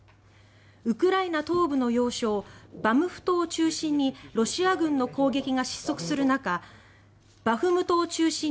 ウクライナ東部の要衝バフムトを中心にロシア軍の攻撃が失速する中